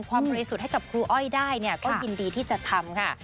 บริสุทธิ์ให้กับครูอ้อยได้เนี่ยก็ยินดีที่จะทำค่ะ